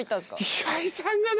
岩井さんがね。